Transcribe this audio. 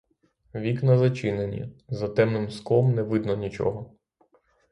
Вікна зачинені, за темним склом не видно нічого.